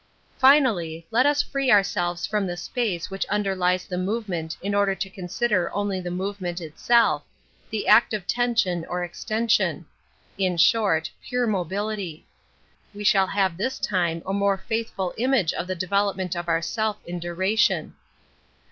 Finally, let us free ourselves from the space which underlies the movement in order to consider only the movement itself, the act of tension or extension; in short, pure mobility. We shall have this time a more faithful image of the development of our self in duration.